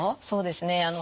そうですね。